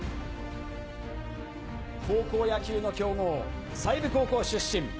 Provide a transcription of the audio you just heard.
高校野球の強豪、済美高校出身。